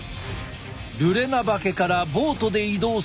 ルレナバケからボートで移動すること５時間。